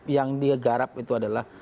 yang digarap itu adalah